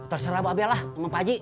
terserah mbak bela sama pak haji